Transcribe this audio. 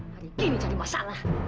hari ini jadi masalah